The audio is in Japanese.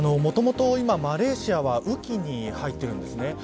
もともとマレーシアは今雨期に入っているんですね。